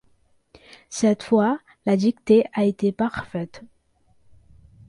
Cette fois, la dictée a été parfaite.